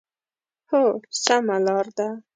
هو، سمه لار ده